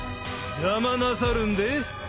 邪魔なさるんで？